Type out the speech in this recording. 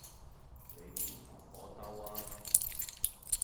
你點同我鬥呀?